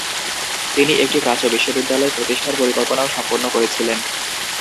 তিনি একটি প্রাচ্য বিশ্ববিদ্যালয় প্রতিষ্ঠার পরিকল্পনাও সম্পন্ন করেছিলেন।